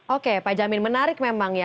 oke pak jamin menarik memang ya